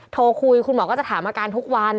โทรคุยคุณหมอก็จะถามอาการทุกวัน